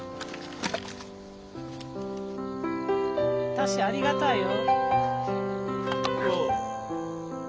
正ありがたいよ。